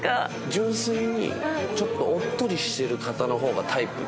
純粋にちょっとおっとりしてる方の方がタイプで。